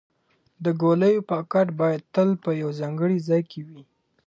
د ګولیو پاکټ باید تل په یو ځانګړي ځای کې وي.